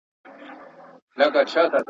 یوه ورځ گوربت زمري ته ویل وروره .